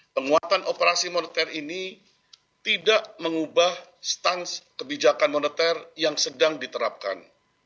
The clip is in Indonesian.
penguatan operasi moneter ini tidak mengubah stans kebijakan moneter yang sedang diterapkan